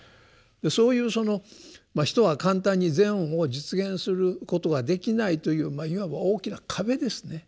そういう人は簡単に善を実現することができないといういわば大きな壁ですね。